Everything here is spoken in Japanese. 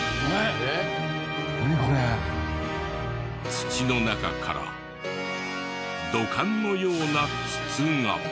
土の中から土管のような筒が。